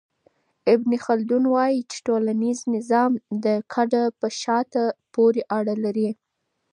ابن خلدون وايي چي ټولنيز نظام د کډه په شاته پوري اړه لري.